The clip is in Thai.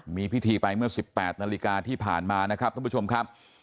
มีพิธีไปเมื่อ๑๘นาฬิกาที่ผ่านมานะครับท่านผู้ชมครับ